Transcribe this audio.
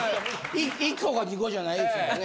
１個か２個じゃないですもんね。